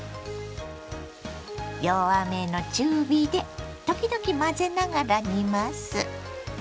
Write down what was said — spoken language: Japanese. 弱めの中火で時々混ぜながら煮ます。